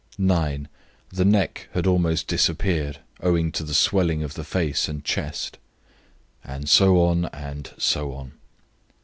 "9. The neck had almost disappeared, owing to the swelling of the face and chest." And so on and so on.